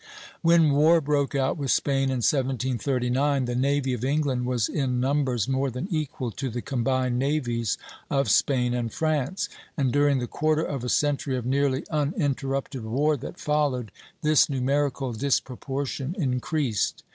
When war broke out with Spain in 1739, the navy of England was in numbers more than equal to the combined navies of Spain and France; and during the quarter of a century of nearly uninterrupted war that followed, this numerical disproportion increased.